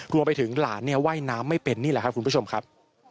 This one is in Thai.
รวมไปถึงหลานเนี่ยว่ายน้ำไม่เป็นนี่แหละครับคุณผู้ชมครับ